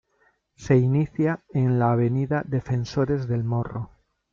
Se inicia en la avenida Defensores del Morro.